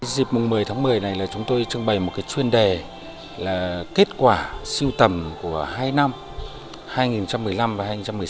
dịp một mươi tháng một mươi này là chúng tôi trưng bày một chuyên đề là kết quả siêu tầm của hai năm hai nghìn một mươi năm và hai nghìn một mươi sáu